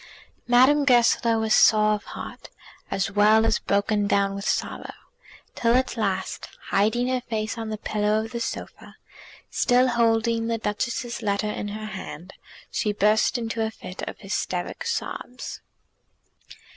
Madame Goesler was sore of heart, as well as broken down with sorrow, till at last, hiding her face on the pillow of the sofa, still holding the Duchess's letter in her hand, she burst into a fit of hysteric sobs.